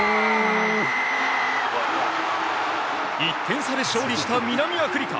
１点差で勝利した南アフリカ。